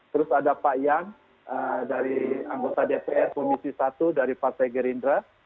terus ada pak yan dari anggota dpr komisi satu dari partai gerindra